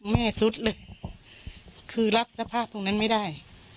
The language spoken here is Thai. สุดเลยคือรับสภาพตรงนั้นไม่ได้